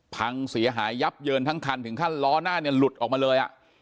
พังเสียหายยับเยินทั้งคันถึงขั้นล้อหน้าเนี่ยหลุดออกมาเลย